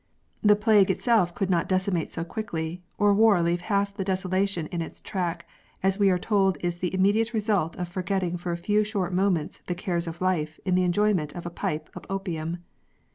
The plague itself could not decimate so quickly, or war leave half the desolation in its track, as we are told is the immediate result of forgetting for a few short moments the cares of life in the enjoyment of a pipe of opium.